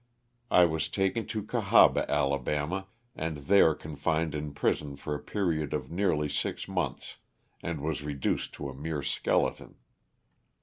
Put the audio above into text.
I was taken to Cahaba, Ala., and there confined in prison for a period of nearly six months, and was reduced to a mere skeleton.